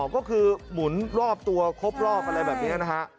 ก็คือหมุนรอบตัวครบรอบอะไรแบบนี้นะฮะ